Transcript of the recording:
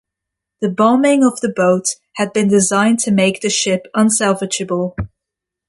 The bombing of the boat had been designed to make the ship unsalvageable.